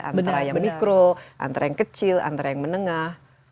antara yang mikro antara yang kecil antara yang menengah